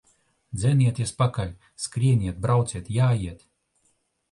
Dzenieties pakaļ! Skrieniet, brauciet, jājiet!